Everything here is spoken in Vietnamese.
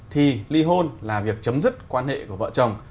thì ly hôn là việc chấm dứt quan hệ của vợ chồng